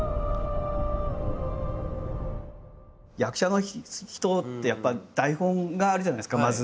役者の人ってやっぱり台本があるじゃないですかまず。